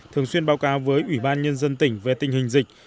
thường xuyên báo cáo với ủy ban nhân dân tỉnh về tình hình dịch